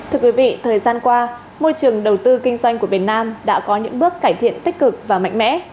thưa quý vị thời gian qua môi trường đầu tư kinh doanh của việt nam đã có những bước cải thiện tích cực và mạnh mẽ